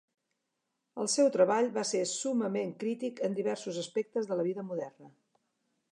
El seu treball va ser summament crític en diversos aspectes de la vida moderna.